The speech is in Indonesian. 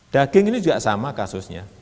daging ini juga sama kasusnya